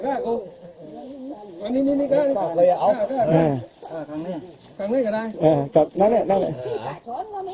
เหลืองเท้าอย่างนั้น